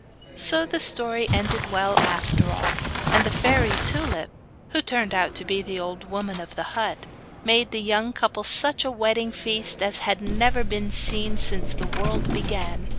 So the story ended well after all; and the fairy Tulip, who turned out to be the old woman of the hut, made the young couple such a wedding feast as had never been seen since the world began.